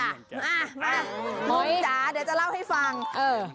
อ่ะมาหมองจ๋าเดี๋ยวจะเล่าให้ฟังเออ